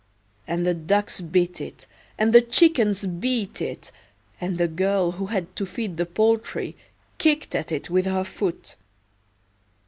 And the ducks bit it, and the chickens beat it, and the girl who had to feed the poultry kicked at it with her foot.